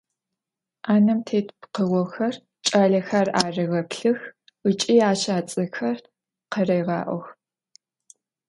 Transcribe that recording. Ӏанэм тет пкъыгъохэм кӏалэхэр арегъэплъых ыкӏи ащ ацӏэхэр къарегъаӏох.